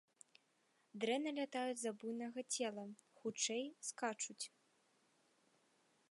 Дрэнна лятаюць з-за буйнога цела, хутчэй, скачуць.